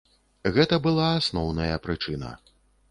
Гэта была асноўная прычына.